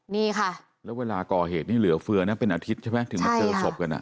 นี่ค่ะแล้วเวลาก่อเหตุนี้เหลือเฟือนะเป็นอาทิตย์ใช่ไหมถึงมาเจอศพกันอ่ะ